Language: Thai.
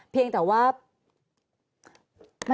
เพียงแต่ว่า